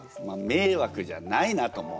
迷惑じゃないなと。